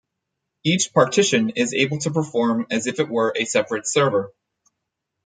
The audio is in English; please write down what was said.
Each partition is able to perform as if it were a separate server.